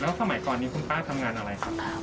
สมัยก่อนนี้คุณป้าทำงานอะไรครับ